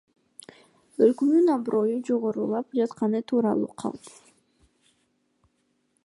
Өлкөнүн аброю жогорулап жатканы тууралуу калп.